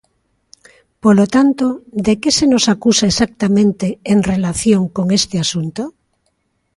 Polo tanto, ¿de que se nos acusa exactamente en relación con este asunto?